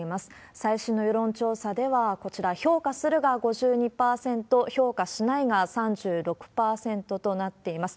最新の世論調査では、こちら、評価するが５２％、評価しないが３６％となっています。